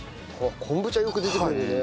昆布茶よく出てくるね。